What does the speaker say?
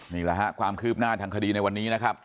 นี่แหละครับความคืบหน้าทางคดีในวันนี้นะครับ